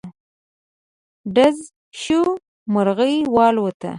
ډز شو، مرغی والوته.